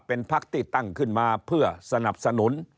เป็นพักที่ตั้งขึ้นมาเพื่อสนับสนุน